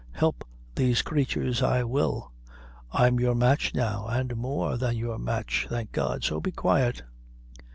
"Help these creatures I will. I'm your match now, an' more than your match, thank God; so be quiet."